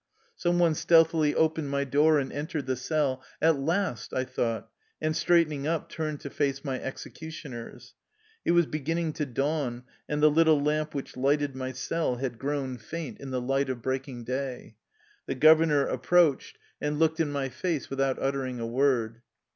Some one stealthily opened my door and entered the cell. " At last !'' I thought, and, straightening up, turned to face my execution ers. It was beginning to dawn, and the little lamp which lighted my cell had grown faint in 162 THE LIFE STOKY OF A KUSSIAN EXILE the light of breaking day. The governor ap proached and looked in my face without utter ing a v/ord.